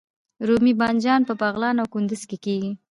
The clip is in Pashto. رومي بانجان په بغلان او کندز کې کیږي